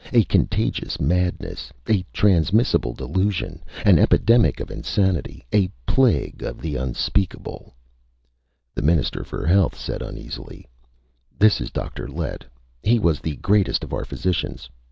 A contagious madness! A transmissible delusion! An epidemic of insanity! A plague of the unspeakable!" The Minister for Health said uneasily: "This is Dr. Lett. He was the greatest of our physicians.